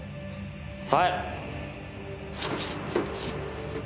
はい。